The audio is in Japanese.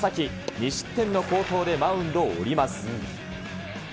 ２失点の好投でマウンドを降ります。